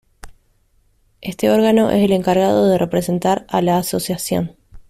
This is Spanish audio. Este órgano es el encargado de representar a la Asociación.